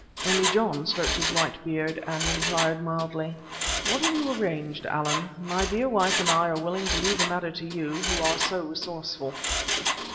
Only John stroked his white beard, and inquired mildly: "What have you arranged, Allan? My dear wife and I are quite willing to leave the matter to you, who are so resourceful."